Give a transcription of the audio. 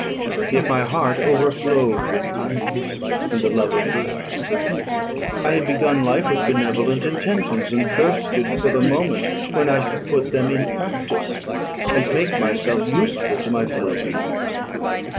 Yet my heart overflowed with kindness, and the love of virtue. I had begun life with benevolent intentions, and thirsted for the moment when I should put them in practice, and make myself useful to my fellow beings.